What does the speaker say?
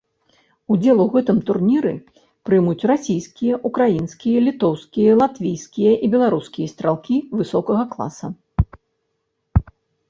Удзел у гэтым турніры прымуць расійскія, украінскія, літоўскія, латвійскія і беларускія стралкі высокага класа.